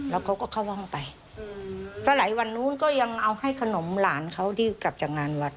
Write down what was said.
แล้วเขาก็เข้าห้องไปก็หลายวันนู้นก็ยังเอาให้ขนมหลานเขาที่กลับจากงานวัด